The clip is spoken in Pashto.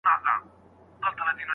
هغوی به سبا په خپلو کارونو بوخت وي.